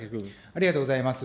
ありがとうございます。